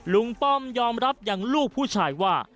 ป้อมยอมรับอย่างลูกผู้ชายว่า